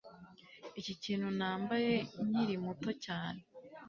Iki nikintu nambaye nkiri muto cyane